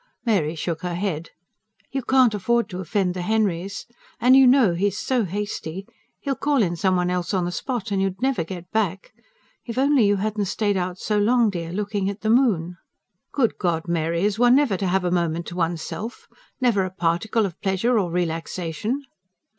Mary shook her head. "You can't afford to offend the Henrys. And you know what he is so hasty. He'd call in some one else on the spot, and you'd never get back. If only you hadn't stayed out so long, dear, looking at the moon!" "Good God! Mary, is one never to have a moment to oneself? Never a particle of pleasure or relaxation?"